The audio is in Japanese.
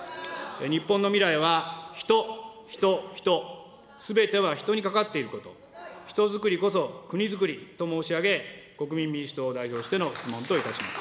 日本の未来は人、人、人、すべては人にかかっていること、人づくりこそ国づくりと申し上げ、国民民主党を代表しての質問といたします。